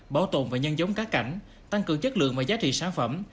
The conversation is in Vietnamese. bảo tồn và nhân giống cá cảnh tăng cường chất lượng và giá trị sản phẩm